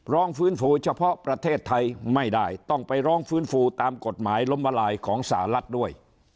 ฟื้นฟูเฉพาะประเทศไทยไม่ได้ต้องไปร้องฟื้นฟูตามกฎหมายล้มละลายของสหรัฐด้วย